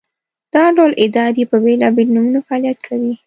دا ډول ادارې په بېلابېلو نومونو فعالیت کوي.